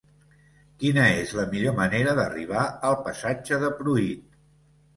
Quina és la millor manera d'arribar al passatge de Pruit?